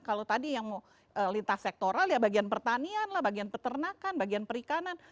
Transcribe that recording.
kalau tadi yang mau lintas sektoral ya bagian pertanian lah bagian peternakan bagian perikanan